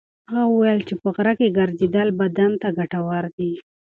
هغه وویل چې په غره کې ګرځېدل بدن ته ګټور دي.